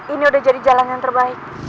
ini udah jadi jalan yang terbaik